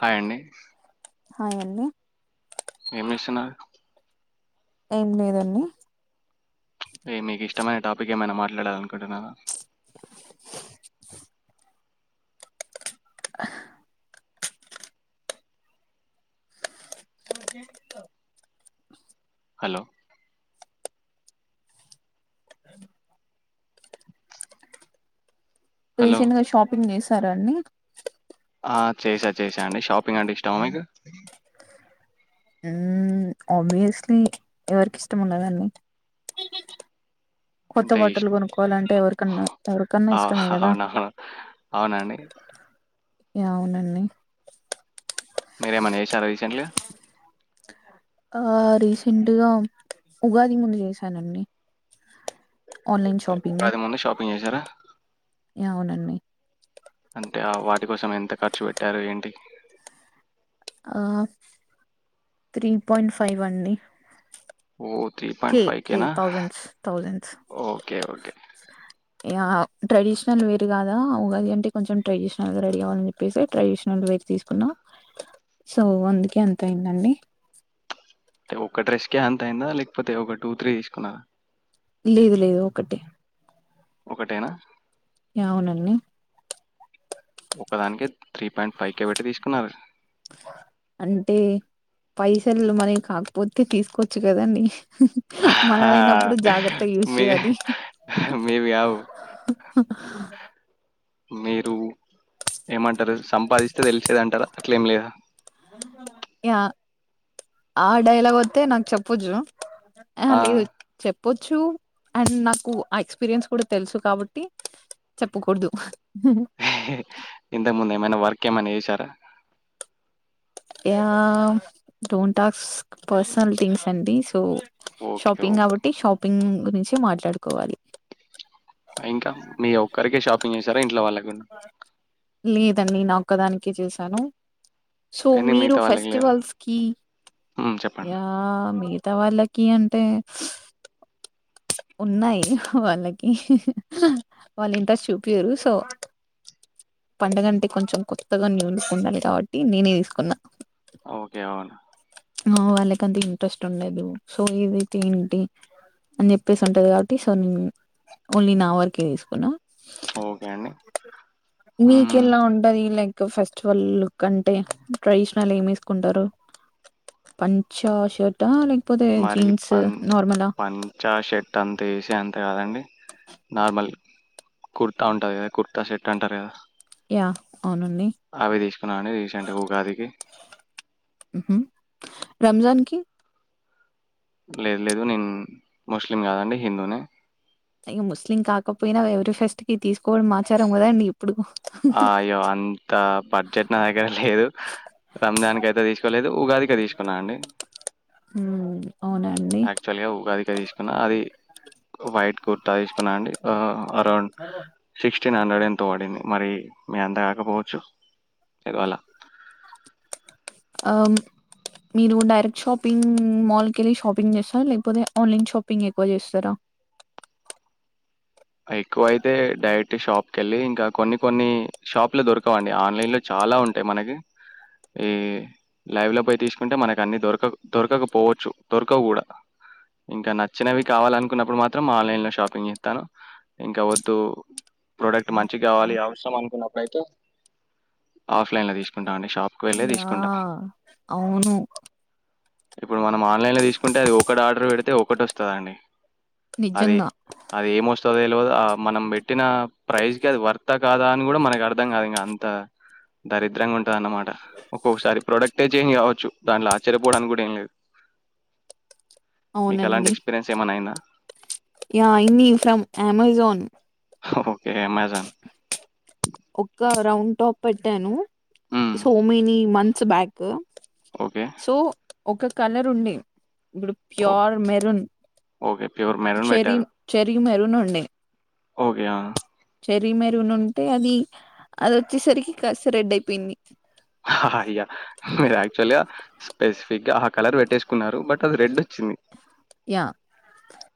Hi ఆండీ hi ఆండీ ఏమి వేస్తున్నారు ఏం లేదండి అ మీకు ఇష్టమైన టాపిక్ ఏమైనా మాట్లాడాల అనుకుంటున్నారా హలో హలో! రీసెంట్ షాపింగ్ చేస్త సార అండీ ఆ చేసా చేసా అండి షాపింగ్ అంటే ఇష్టం మీకు ఉమ్ ఆబ్వియస్‌లీ ఎవరికి ఇస్తం ఉండదు అండీ కొత్త అంటే ఇష్ బాటలు కొనుక్కోవాలంటే ఎవరికన్నా ఎవరికన్నా ఆ! ఇష్టమే కదా అవునా? అవునా అండి. యా అవునండి మీరేమన్నా చేసారా రీసెంట్గా ఆ రీసెంట్గా ఉగాది ముందు చేసాను అండి ఓకే ఇది ముందు షాపింగ్ చేశారా యా అవును అండి అంటే ఆ వాటి కోసం ఎంత ఖర్చు పెట్టారు ఏంటి ఆ త్రీ పాయింట్ ఫైవ్ అండి ఓ త్రీ కే పాయింట్ కే ఫైవ్కినా thousands thousands okay okay yeah traditional wear కాదాగాది అంటే కొంచెం ట్రెడిషనల్గా రెడీ కావ్వాలని చెప్పేసి ట్రెడిషనల్ వేర్ తీసుకున్నాం సో అందుకే అంత అయిందండి అంటే ఒకక్క డ్రెస్ క అంత అయిందా లేకపోతే ఒక టూ త్రీ తీసుకున్నరా లేదు లేదు ఒకటే ఒకటేనా యా అవునండి ఒకదానినికి త్రీ పాయింట్ ఫైవ్ క పెట్టి తీసుకున్నారు అంటే పైసలు మనకి కాకపోతే తీసుకోవచ్చు కదండీ హు హు మనదైనప్పుడు జాగ్రత్త యూస్ మీవి చేయాలి హు మీవి కావు. హు హా మీరు ఏమంటారు సంపాదిస్తే తెలిసేది అంటారా అట్లేం లేదా యా ఆడైలాగ్ వస్తతే నాకు చెప్పొచ్చు అ ఆ! లే చెప్ప చెప్పచ్చు అండ్ నాకు ఆ ఎక్స్పీరియన్స్ కూడా తెలుసు కాబట్టి చెప్పకూడదు హీ హీ ఇంతకు ముందు ఏమైనా వర్క్ ఏమన్నా చేసారా yeah don't talk personal things అండి సో ఓకే. ఓ షాపింగ్ కాబట్టి షాప్ పింగ్ గురించి మాట్లాడుకోవాలి సర ఇంట్లో వాళ్ళకి గూడా? లేదు ఇన్ని నా ఒక్కదానికే చేశాను సో ఎందుకు మీరు మిగతా వాళ్ళకి లేదా? ఫెస్టివల్స్ కి హ్మ్. చెప్పండి. యా మీరు మిగతా వాళ్ళకి అంటే ఉన్నాయి వాళ్ళకి వాళ్ళు ఇంట్రెస్ట్ చూపియ్యారు సో పండగంటే కొంచెం కొత్తగా న్యూ లుక్ ఉండాలి కాబట్టి నేనే తీసుకున్నా ఓకే అవును ఆ వాళ్ళకి అంత ఇంట్రెస్ట్ ఉండదు సో ఏదైతే ఏంటి అని చెప్పేసి ఉంటది కాబట్టి సో నేను ఓన్లీ నా వర్కే తీసుకున్నా ఓకే అండి. హ్మ్. మీకెలా ఉంటది లైక్ ఇ ఫెస్టివల్ లుక్ అంటే ట్రెడిషనల్ ఏమి వేసుకుంటారు పంచ షర్ట్ ఆ లేక్ పోతే మరి జీన్స్ నార్మలా సట్ అంతే ఏసీ అంతే కాదండి నార్మల్ కుర్తా ఉంటది కదా కుర్తా సెట్ అంటారు కదా యా అవునండి అవి తీసుకున్నాండి రీసెంట్ ఉగాదికి రంజాన్ కీ లేద్ లేదు నేను ముస్లిం కాదండి హిందూని ఇంకా ముస్లిం కాకపోయినా ఎవ్రి ఫెస్ట్కి తీసుకోవడం ఆచారం కదండి ఇప్పుడు అహ్ అయ్యో అంత బడ్జెట్ నా దగ్గర లేదు రంజాన్కైతే తీసుకోలేదు ఉగాదికే తీసుకున్నా అండి ఉమ్ అవునండి అక్చ్వల్గా ఉగాదికే తీసుకున్నా అది వైట్ కుర్తా తీసుకున్నా అండి ఆహ్ అరౌండ్ సిక్స్ట్ సిక్టీన్ హండ్రెడ్ ఎంతో పడింది మరి మీ అంత కాకపోవచ్చు ఏదో అల ఆహ్ మీరు డైరెక్ట్ షాపింగ్ మాల్కెళ్ళి షాపింగ్ చేస్తారా లేకపోతే ఆన్ లైన్ షాపింగ్ ఎక్కువ చేస్తారా ఎక్కువ అయితే డైరెక్ట్ షాప్కెళ్ళి ఇంకా కొన్ని కొన్ని షాప్లు దొరకవండి ఆన్ లైన్లో చాలా ఉంటాయి మనకి ఈ లైవ్లో పోయి తీసుకుంటే మనకన్ని దొరకవ్ దొరకకపోవచ్చు దొరకవు కూడా ఇంకా నచ్చినవి కావాలనుకున్నప్పుడు మాత్రం ఆన్ లైన్లో షాపింగ్ చేస్తాను ఇంకా వద్దు ప్రోడక్ట్ మంచిగ కావాలి అవసరం అనుకున్నప్పుడుయితే ఆఫ్ లైన్లో తీసుకుంటామండి ఆహ్ అవును ఇప్పుడు మనం ఆన్ లైన్లో తీసుకుంటే అది ఒకటి ఆర్డర్ పెడితే ఒకటి వస్తదండి అది నిజంగా అది ఏమొస్ తెల్వదా ఆహ్ మనం పెట్టిన ప్రైజ్ కి అది వర్తా కాదా అని కూడా మనకి అర్థం కాదు ఇంగా అంత దరిద్రంగా ఉంటది అనమాట ఒక్కొక్కసారి ప్రోడక్టే చేంజ్ కావచ్చు దాంట్ల ఆశ్చర్యపోడానికి కూడా ఏం లేదు మీకలాంటి అవునండి ఎక్స్పీరియన్స్ ఏమన్నైయిందా యా అయింది ఫ్రమ్ అమెజాన్. ఓకే. అమెజాన్. ఒక్క రౌండ్ టాప్ పెట్టాను హ్మ్. సో మెని మన్ చ్చ్ బ్యాక్ ఓకే. సో ఒక కలర్ ఉండి ఇప్పుడు ఓ pure maroon okay. Pure maroon చెరిమ్ చెర్రి మెరునుండే ఒకే నా చెర్రి మెరునుంటే అది అదోచ్చేసరికి కాస్త రెడ్ అయిపోయింది హా హ అయ్యా మీరు యాక్చువల్గా స్పెసిఫిక్ గా ఆ కలర్ పెట్టేసుకున్నారు. బట్ రెడ్ ఒచ్చింది. యా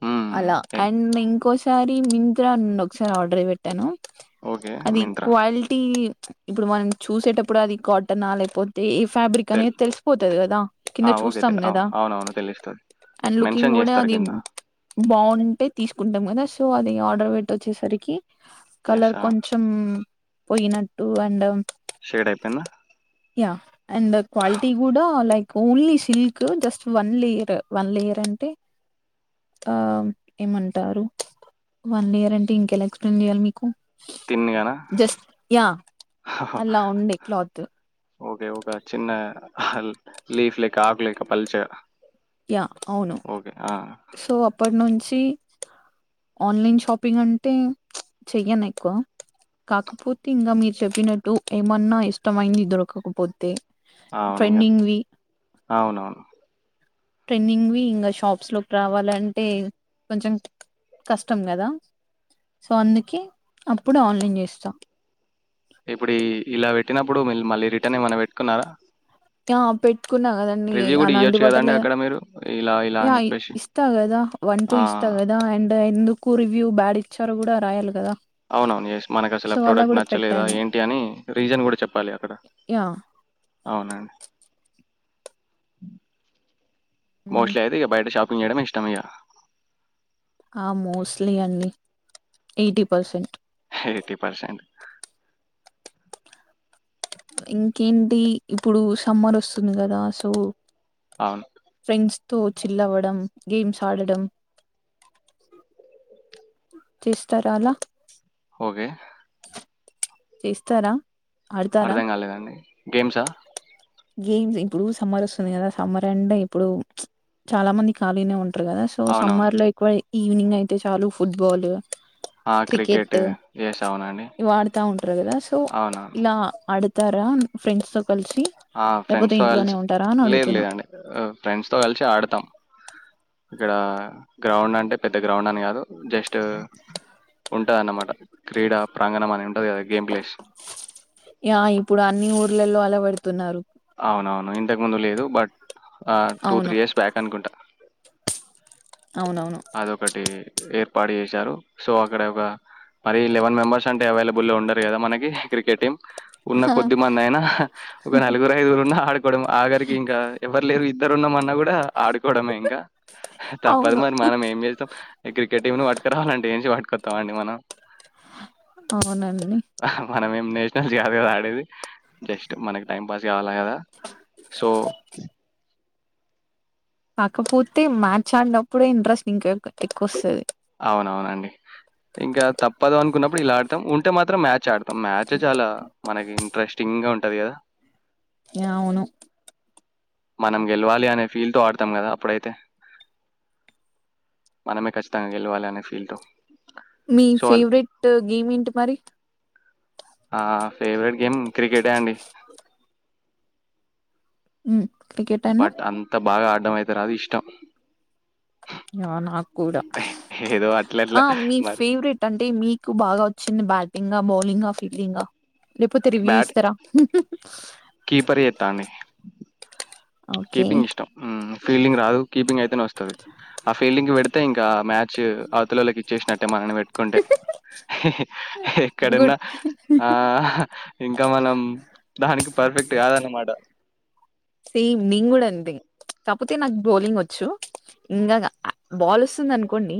హ్మ్. అలా ఎ అండ్మిం కోచ్ ఒకసారి మింత్రా నుండి ఒకసారి ఆర్డర్ పెట్టాను. ఓకే. అది మింత్రా. క్వాలిటీ మ్ ఇప్పుడు మనం చూసేటప్పుడు అది కాటన లేకపోతే ఇవ్ ఫ్యాబ్రిక్ తెల్ అనేది తెలిసిపోతది కదా. కింద ఆ! ఓకే. చూస్తాం తెల్ అవును. కదా. అవునవును. తెలుస్తది. లుకింగ్ మెన్షన్ కూడా జేస్తారు అది కింద. బావుంటే తీసుకున్ కదా సో అది ఆర్డర్ పెట్టోచ్చేసరికి యెస్. కలర్ ఆ! కొంచం పోయినట్ అండ్ షేడ్ అయిపోయిందా యా అండ్ క్వాలిటీ కూడా like only silk just one layer one layer అంటే ఆ ఏమంటారు. వన్ ఇయర్ అంటే ఇంకెలా ఎక్స్ప్లెయిన్ చేయాలి మీకు. తిన్‌గానా? జస్ట్ యా అలా ఉండే క్లాత్ ఓకే ఒక చిన్న లీఫ్ లేక ఆకు లెక పలిచ యా అవును సో అప్పటి నుం వచ్చి ఆన్లైన్ షాపింగ్ అంటే చెయ్యను. ఎక్కువ కాకపోతే ఇంకా మీరు చెప్పినట్టు ఏమన్నా ఇష్టమైంది దొరకకపోతే, అవును నింగన్ ట్రెండింగ్వి అవునవును ట్రెండింగ్వి ఇంకా షాప్స్లోకి రావాలంటే కొంచెం కష్టం కదా సో అందుకే అప్పుడు ఆన్లైన్ చేస్తా ఇప్పుడు ఇలా పెట్టినప్పుడు మ మళ్ళీ రిటర్న్ ఏమైనా పెట్టుకున్నారా ఆ పెట్టుకున్నా కదండి రివ్యూ గూడా అలాంటి ఇయ్యొచ్చు గదండీ బట్టలే అక్కడ మీరు. ఇలా, ఇలా యా అని జెప్పేసి. ఇస్తా కదా వన్ టూ ఆ! ఇస్తా కదా అండ్ ఎందుకు రివ్యూ బ్యాడ్ ఇచ్చారు. కూడా రాయాలి కదా. అవును ఎస్ మనకు అసలు సో ఆ అలా ప్రోడక్ట్ కూడా నచ్చలేదా, పెట్టాను ఏంటి అని రీజన్ కూడా చెప్పాలి అక్కడ. యా అవున మ్ మోస్ట్లీ అయిది బెటర్ షాప్ ఇయ్యడం ఇష్టమిగా ఆ మోస్ట్లీ అండి ఎయిటీ పర్సెంట్ ఎయిటీ పర్సెంట్ ఇంకేంటి ఇప్పుడు సమ్మర్ వస్తుంది కదా సో అవును. ఫ్రెండ్స్ తో చిల్ అవడం గేమ్స్ ఆడడం చేస్తార అలా ఓగే చేస్తారా ఆడతారా అర్థం కాలేదండి గేమ్సా గేమ్స్ ఇప్పుడు సమ్మర్ వస్తుంది కదా సమ్మర్ అండ్ ఇప్పుడు చాలా మంది ఖాళీనే ఉం టరు కదా సో అవునవును. సమ్మర్ లో ఎక్కువ ఈవినింగ్ అయితే చాలు ఫుట్బాల్ ఆ! Cricket yes. అవునండి. ఇవి ఆడుతా ఉంటారు కదా సో అవునవును. ఇలా అడు ఎల్ తారా ఫ్రెండ్స్ తో కలిసి ఆ లేకపోతే ఫ్రెండ్స్ తో ఇంట్లోనే కలిసి ఉంటారా అని లేదు అడుగుతున్నా లేదండి ఫ్రెండ్స్ తో కలిసి ఆడతాం ఇక్కడ గ్రౌండ్ అంటే పెద్ద గ్రౌండ్ అని కాదు జస్ట్ ఉంటది అన్నమాట క్రీడా ప్రాంగణం అని ఉ య ఇపుడు అన్ని పల్లెలో అలవడుతున్నారు అవ్ నవును ఇంతక్ ముందూ లేదు బట్ ఆహ్ టూ అవును త్రీయర్స్ బ్యాక్ అనుకుంటా అవునవును అదొకటీ ఏర్పాట్ జేశారు సో అక్కడ ఒక మరీ లెవెన్ మెంబర్స్ అంటే అవైలబల్ వుండరు కదా క్రికెట్ టీం ఉన్న హా! కొద్దిమందైనా హ్హాహ్ ఒక నలుగురు ఐదుగురు ఉన్న ఆడుకోవడం ఆగరికి ఇంకా ఎవరు లేరు ఉంటున్నమన్న గూడా ఆడుకోవడమే ఇంగా తప్పదు అవును మరి మనం ఏం జేస్తాం క్రికెట్ టీమ్ ను పట్టుకు రావాలంటేం పట్టుకొత్తామండీ మనం ఔనండి నేషనల్స్కాదు కదా ఆడేది జస్ట్ మనకి టైం పాస్ కావాలి లాయ దా సో కాకపోతే మ్యాచ్ ఆడ్నప్పుడే ఇంట్రెస్ట్ ఇంక ఎక్కువొస్తది ఔనవునండీ ఇంకా తప్పదు అనుకున్నప్పుడు ఇలా ఆడుతాం ఉంటే మాత్రం మ్యాచ్ ఆడుత్ మ్యాచ్ చాలా మనకిన్ట్రస్టింగ్ గా ఉంటుంద్ అది గా అవును మనం గెల్వాలీ అనే ఫీల్ తో ఆడతాం గదా అప్పుడైతే మనమే ఖచ్చితంగా గెల్వాలి అనే ఫీల్ తో మీ సో ఫేవ్రేట్టూ గేమ్ ఏంటి మరీ ఆహ్ ఫేవర్ట్ గేమ్ క్రికెటే అండీ హ్మ్ క్రికెట్ అండ్ బట్ అంత బాగా ఆ డ్డమయితే రాదు ఇష్టం. ఆ నాక్కూడా, ఏదో అట్ల ఆ అట్లా మీ మరి ఫేవరెట్ అంటే మీకు బాగా వచ్చిం ది బ్యాటింగా, బౌలింగా, ఫీల్డింగా? లేపోతే రివ్యూ బ్యాట్ ఇస్తరా? కీపర్ చేత్తా నే ఓకే కీపింగ్ ఇష్టం మ్మ్ ఫీల్డింగ్ రాదు, కీపింగ్ అయితేనే వస్తది. ఆ ఫీల్డింగ్ పెడితే ఇంకా మ్యాచ్ అవ్తలోల్లకి ఇచ్చేసినట్టే మనని పెట్ కుంటే గుడ్ హెక్కడున్నా ఆ ఇంకా మనం దానికి పర్ఫెక్టూ గాదన్న మాట సేమ్ నేం గూడ అంతే. కాకపోతే నాక్ బౌలింగ్ వచ్చు, ఇంగ బాల్ వస్తుందనుకోండి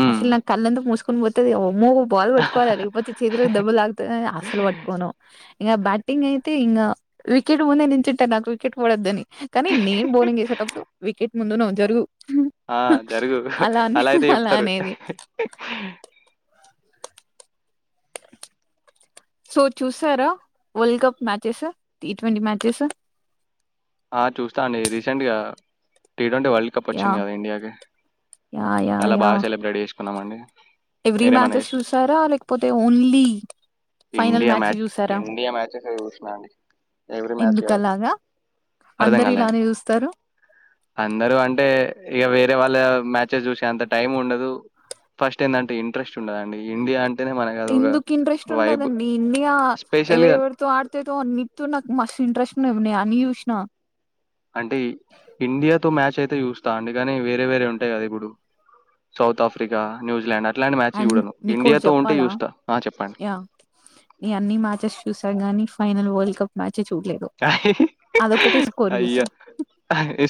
ఉమ్, అస్సల్ నా కళ్ళెందుకు మూసు కున్ పోతదేమో మూవ్ బాల్ వట్కోవాలి అరిగి పొతే చేతులకి దెబ్బల్ తాక్తది అనీ అసల్ పట్కోను. ఇంగ బ్యాటింగ్ అయితే ఇంగా వికెట్ ముందే నించుంటా నాకు వికెట్ పడొద్దని. కానీ నేను బౌలింగ్ చేసేటప్పుడు వికెట్ ముందు నువు జరుగు ఆ జరుగు అలానే అలా అయితే చెప్తరు. అనేది సో చూసారా world cup matches T twenty matches ఆ చూస్తా అండి రీసెంట్గా T twenty world cup yeah వచ్చింది కదా ఇండియాకి. యా యా చాలా యా బాగా సెలబ్రేట్ చేసు కున్నామండి. ఎవ్రీ మ్యాచెస్ చూసారా? లేకపోతే ఓన్లీ ఫైనల్ ఇండియా మ్యాచ్ చూసారా? ఇండియా మ్యాచెసే చూసినా అండి. ఎవ్రీ మ్యాచ్ కాదు. ఎందుకులాగా, అర్థం అందరు కాలే అండి. ఇలానే చూస్తర్ హ అందరూ అంటే ఇగ వేరే వాళ్ళ మ్యాచెస్ చూసేంత టైం ఉండదు. ఫస్ట్ ఏంటంటే ఇంట్రెస్ట్ ఉండదండి ఇండియా అం ఎందుకు ఇంట్రెస్ట్ ఉండదండి ఇండియా స్పెషల్‌గా ఎవరెవరితో ఆడుతదో అన్నిటితో నాకు మస్ ఇంట్రెస్ట్ నే ఉన్నాయి అన్ని చూస్నా. అంటే ఇండియాతో మ్యాచ్ అయితే చూస్తా అండి. కాని వేరే వేరే ఉంటాయి కదా ఇప్పుడు South Africa, New Zealand uh and మీకు ఒకటి చెప్పాలా ఆ! చెప్పండి. యా నే అన్ని మ్యాచెస్ చూస్తా గాని ఫైనల్ వరల్డ్ కప్ మ్యా స్కోర్ చూసా అయ్యా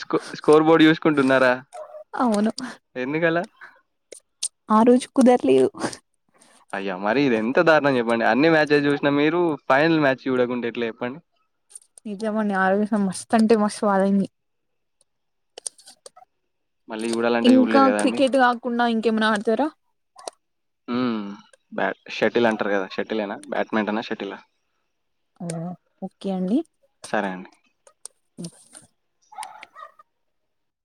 స్కొ స్కోర్ బోర్డు చూసుకుంటున్నారా అవును ఎందుకలా? ప్చ్ ఆ రోజు కుదర్లేదు. అయ్యా మరి ఇది ఎంత దారుణం చెప్పండి అన్ని మ్యాచెస్ చూసినా మీరు ఫైనల్ మ్యాచ్ చూడకుంటే ఎట్ల చెప్పండి నిజమండీ ఆ రోజు అసలు మస్తు అంటే మస్తు బాధైంది మళ్ళీ జూడాలంటే ఇంకా జూడలేరు గదండీ! క్రికెట్ కాకుండా ఇంకేమన తరా హమ్ బ్యా షటిల్ అంటారు కదా షటిల్ ఏనా బ్యాట్మింటన్ ఆ షటిల్ ఆ ఆ ఒకే అండి సరే అండి.